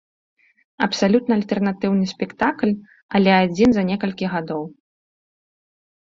Абсалютна альтэрнатыўны спектакль, але адзін за некалькі гадоў.